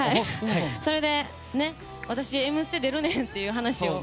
それで私「Ｍステ」出るねんって話をして。